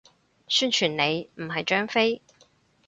宣傳你，唔係張飛